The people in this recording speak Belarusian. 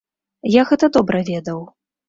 Я гэта добра ведаў.